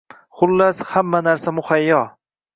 Xullas, hamma narsa muhayyo